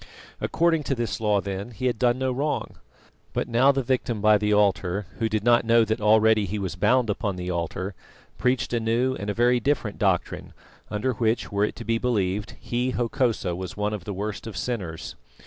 According to this law, then, he had done no wrong. But now the victim by the altar, who did not know that already he was bound upon the altar, preached a new and a very different doctrine under which, were it to be believed, he, Hokosa, was one of the worst of sinners.